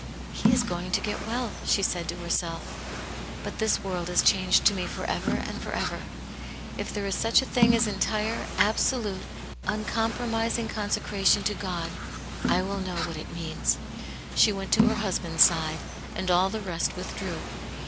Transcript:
" He is going to get well," she said to herself, " but this world is changed to me for ever and for ever. If there is such a thing as entire, absolute, un compromising consecration to God, I will know what it means." She went to her husband's side, and all the rest withdrew.